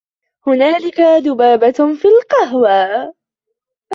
هناك ذبابة في القهوة.